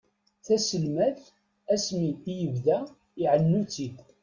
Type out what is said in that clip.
Taselmadt asmi i ibda iɛennu-tt-id.